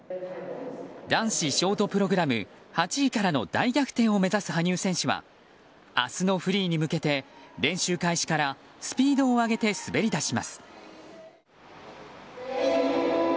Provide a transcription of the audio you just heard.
男子ショートプログラム８位からの大逆転を目指す羽生選手は明日のフリーに向けて練習開始からスピードを上げて滑り出します。